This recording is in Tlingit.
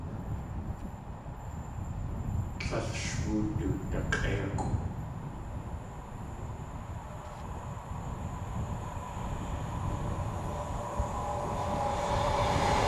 Tlél sh wudak̲ʼéikʼw.